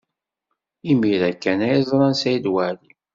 Imir-a kan ay ẓran Saɛid Waɛli.